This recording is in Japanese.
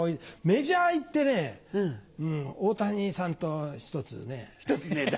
メジャー行って大谷さんとひとつね。